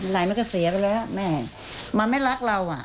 ไหนมันก็เสียไปแล้วแม่มันไม่รักเราอ่ะ